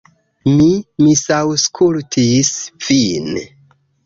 Mi misaŭskultis vin.